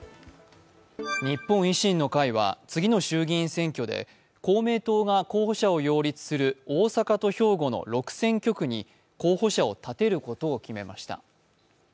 日本維新の会は次の衆議院選挙で公明党が候補者を擁立する大阪と兵庫の６選挙区に候補者を立てることを決めました。